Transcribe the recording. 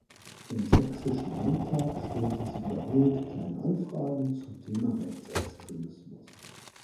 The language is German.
Im Sächsischen Landtag stellte sie wiederholt Kleine Anfragen zum Thema Rechtsextremismus.